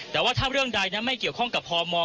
แต่ว่าถ้าเรื่องใดนั้นไม่เกี่ยวข้องกับพม